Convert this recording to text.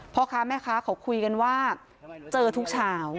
พ่อค้าแม่ค้าเขาคุยกันว่าเจอทุกเช้า